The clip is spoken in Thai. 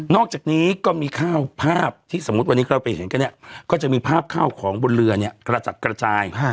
อกจากนี้ก็มีข้าวภาพที่สมมุติวันนี้เราไปเห็นกันเนี่ยก็จะมีภาพข้าวของบนเรือเนี่ยกระจัดกระจาย